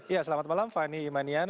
ya selamat malam fani imanian